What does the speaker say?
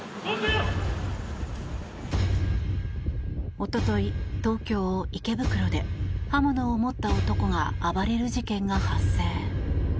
おととい、東京・池袋で刃物を持った男が暴れる事件が発生。